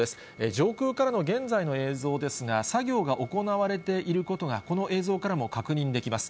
上空からの現在の映像ですが、作業が行われていることが、この映像からも確認できます。